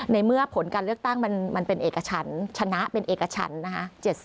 ในเมื่อผลการเลือกตั้งมันเป็นเอกชั้นชนะเป็นเอกชันนะคะ